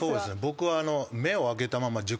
僕は。